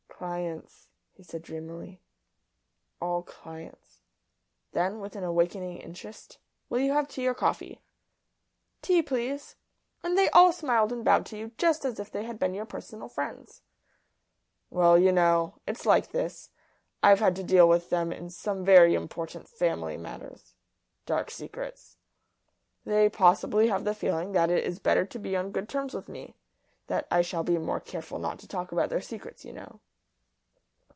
"Clients," he said dreamily. "All clients." Then, with an awakening interest, "Will you have tea or coffee?" "Tea, please. And they all smiled and bowed to you just as if they had been your personal friends." "Well, you know, it's like this. I've had to deal with them in some very important family matters dark secrets. They possibly have the feeling that it is better to be on good terms with me that I shall be more careful not to talk about their secrets, you know."